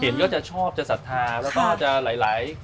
เห็นก็จะชอบจะศรัทธาแล้วก็จะหลายสร้าง